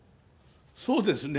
そうですね。